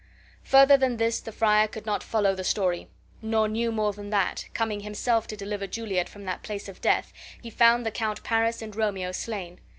Further than this the friar could not follow the story, nor knew more than that, coming himself to deliver Juliet from that place of death, he found the Count Paris and Romeo slain.